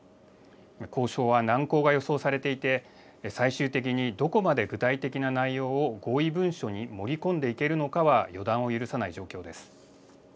交渉は難航が予想されていて、最終的にどこまで具体的な内容を合意文書に盛り込んでいけるのかは、予断を許さない状況です。